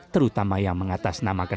terutama yang mengatas nilai